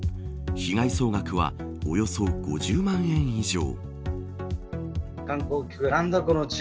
被害総額はおよそ５０万円以上。